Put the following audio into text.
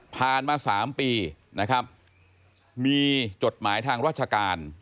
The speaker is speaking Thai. ผ่านมา๓ปีนะครับมีจดหมายทางราชการ